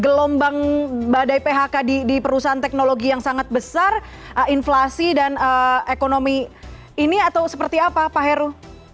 gelombang badai phk di perusahaan teknologi yang sangat besar inflasi dan ekonomi ini atau seperti apa pak heru